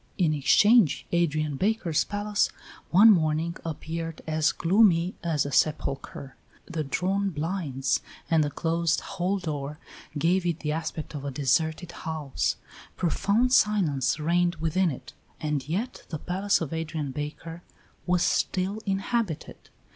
In exchange, Adrian Baker's palace one morning appeared as gloomy as a sepulchre; the drawn blinds and the closed hall door gave it the aspect of a deserted house; profound silence reigned within it, and yet the palace of Adrian Baker was still inhabited.